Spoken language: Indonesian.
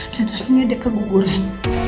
dan akhirnya dia keguguran